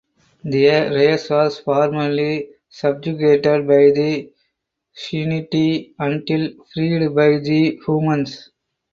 Their race was formerly subjugated by the Kzinti until freed by the humans.